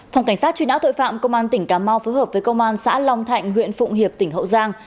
phòng cảnh sát truy nã tội phạm công an tỉnh cà mau phối hợp với công an xã long thạnh huyện phụng hiệp tỉnh hậu giang